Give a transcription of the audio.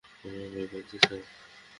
আমি ভয় পাচ্ছি, স্যার।